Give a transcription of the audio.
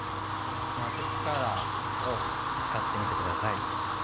マジックカーラーを使ってみてください。